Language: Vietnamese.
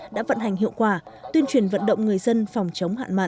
đã vận hành hiệu quả tuyên truyền vận động người dân phòng chống hạn mặn